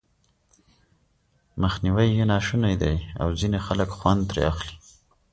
مخنيوی یې ناشونی دی او ځينې خلک خوند ترې اخلي.